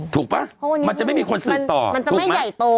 ถูกปะมันจะไม่มีคนสื่อต่อ